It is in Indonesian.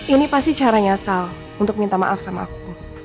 ini pasti cara nyasal untuk minta maaf sama aku